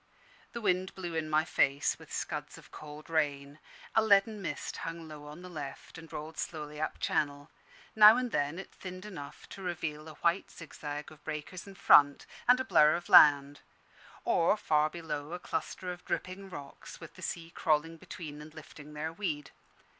The wind blew in my face, with scuds of cold rain; a leaden mist hung low on the left, and rolled slowly up Channel. Now and then it thinned enough to reveal a white zigzag of breakers in front, and a blur of land; or, far below, a cluster of dripping rocks, with the sea crawling between and lifting their weed.